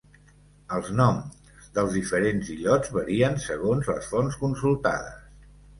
Els noms dels diferents illots varien segons les fonts consultades.